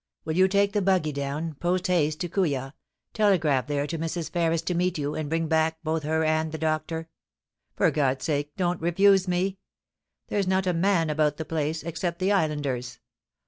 Will you take the buggy down, post haste, to Kooya, telegraph there to Mrs. Ferris to meet you, and bring back both her and the doctor ? For God's sake don't refuse me ! There's not a man about the place, except the islanders.